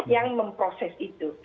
yang memproses itu